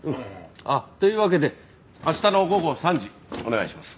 あっというわけで明日の午後３時お願いします。